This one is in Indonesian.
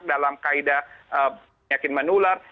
dalam kaida penyakit menular